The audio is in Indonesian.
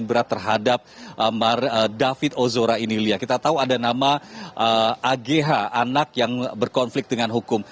berat terhadap david ozora ini lia kita tahu ada nama agh anak yang berkonflik dengan hukum